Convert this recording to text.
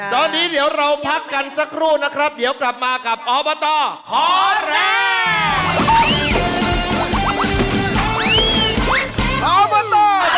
ตอนนี้เดี๋ยวเราพักกันสักครู่นะครับเดี๋ยวกลับมากับอบตหอแรง